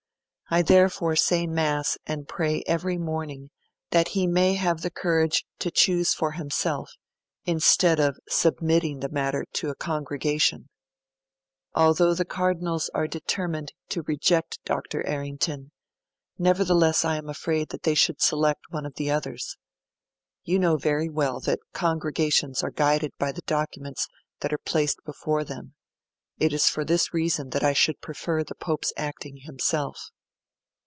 I therefore say mass and pray every morning that he may have the courage to choose for himself, instead of submitting the matter to a Congregation. Although the Cardinals are determined to reject Dr. Errington, nevertheless I am afraid that they should select one of the others. You know very well that Congregations are guided by the documents that are placed before them; it is for this reason that I should prefer the Pope's acting himself.'